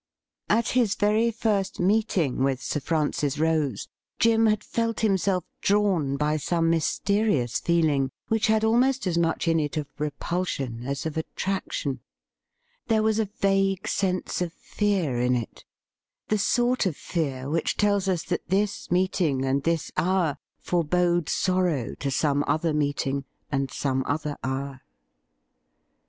At his very first meeting with Sir Francis Rose, Jim had felt himself drawn by some mysterious feeling which had almost as much in it of repulsion as of attraction. There was a vague sense of fear in it — the sort of fear which tells us that this meeting and this hour forbode sorrow to some other meeting and some other hour.